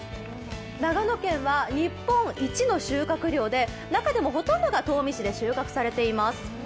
長野県は日本一の収穫量で中でもほとんどが東御市で収穫されています。